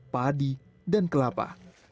padi dan kelapa